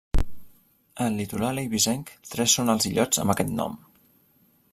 Al litoral eivissenc tres són els illots amb aquest nom.